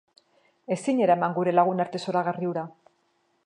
Ezin eraman gure lagunarte zoragarri hura.